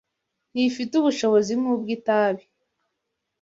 Ntifite ubushobozi nk’ubw’itabi,